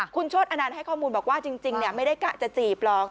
คุณโชธอนันต์ให้ข้อมูลบอกว่าจริงไม่ได้กะจะจีบหรอก